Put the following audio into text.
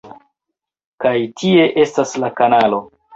Kaj tie estas la kanalo...